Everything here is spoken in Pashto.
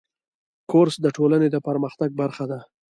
کورس د ټولنې د پرمختګ برخه ده.